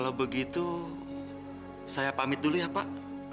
amit dulu ya pak